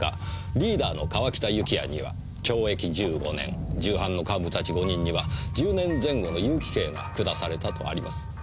リーダーの川北幸也には懲役１５年従犯の幹部たち５人には１０年前後の有期刑が下されたとあります。